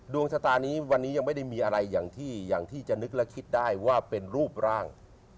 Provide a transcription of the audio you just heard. ดวงชะตานี้ยังไม่ได้มีอะไรอย่างที่จะคิดได้ว่าเป็นรูปร่าง